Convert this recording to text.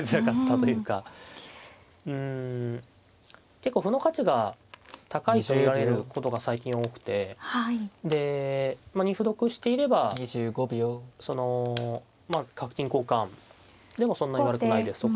結構歩の価値が高いと見られることが最近多くてで２歩得していればそのまあ角金交換でもそんなに悪くないですとか。